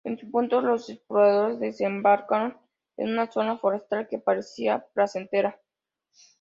En un punto los exploradores desembarcaron en una zona forestal que parecía placentera.